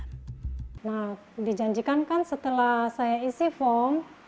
nah dijanjikan kan setelah saya isi form